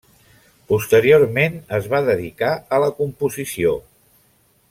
Posteriorment es va dedicar a la composició.